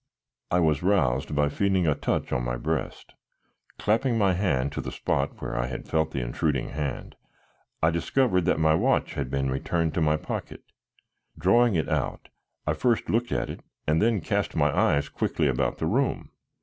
I was roused by feeling a touch on my breast. Clapping my hand to the spot where I had felt the intruding hand, I discovered that my watch had been returned to my pocket. Drawing it out I first looked at it and then cast my eyes quickly about the room.